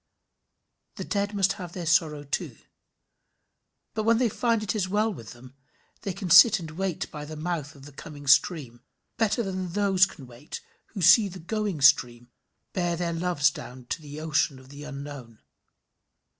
The dead must have their sorrow too, but when they find it is well with them, they can sit and wait by the mouth of the coming stream better than those can wait who see the going stream bear their loves down to the ocean of the unknown.